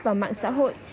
và mạng xã hội